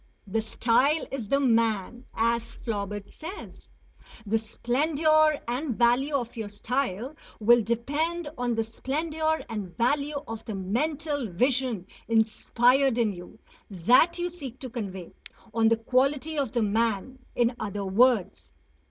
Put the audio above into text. "The style is the man," as Flaubert says. The splendour and value of your style will depend on the splendour and value of the mental vision inspired in you, that you seek to convey; on the quality of the man, in other words.